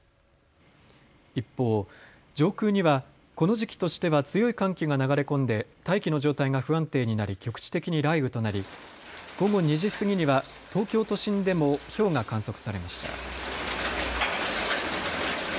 一方、上空にはこの時期としては強い寒気が流れ込んで大気の状態が不安定になり局地的に雷雨となり午後２時過ぎには東京都心でもひょうが観測されました。